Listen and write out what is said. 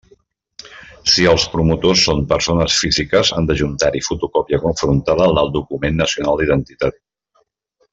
Si els promotors són persones físiques, han d'adjuntar-hi fotocòpia confrontada del document nacional d'identitat.